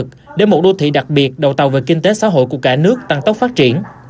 đã tạo động lực mới tích cực để một đô thị đặc biệt đầu tàu về kinh tế xã hội của cả nước tăng tốc phát triển